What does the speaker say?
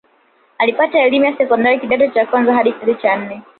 Alipata elimu ya sekondari kidato cha kwanza hadi kidato cha nne